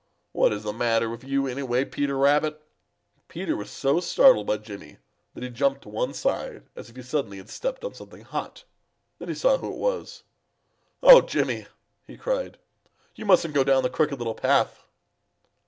What is the matter with you, anyway, Peter Rabbit?" Peter was so startled by Jimmy that he jumped to one side as if he suddenly had stepped on something hot. Then he saw who it was. "Oh, Jimmy," he cried, "you mustn't go down the Crooked Little Path!"